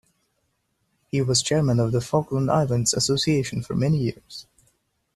He was chairman of the Falkland Islands Association for many years.